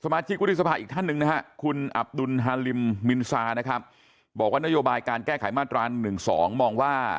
และอศชอับตุนฮาริมมินซาบอกว่านโยบายการแก้ไขมาตรารัน๑